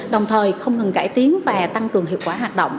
đồng thời không ngừng cải tiến và tăng cường hiệu quả hoạt động